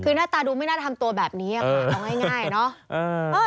คือหน้าตาดูไม่น่าทำตัวแบบนี้ค่ะเอาง่ายเนอะ